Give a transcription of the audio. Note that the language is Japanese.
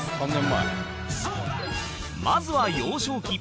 まずは幼少期